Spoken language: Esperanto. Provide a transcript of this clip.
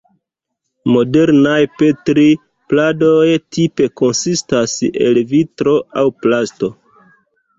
Modernaj Petri-pladoj tipe konsistas el vitro aŭ plasto.